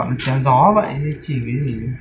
toàn gọi là trái gió vậy thôi chỉ cái gì